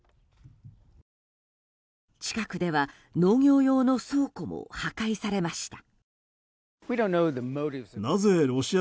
近くでは農業用の倉庫も破壊されました。